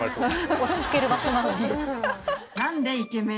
落ち着ける場所なのに？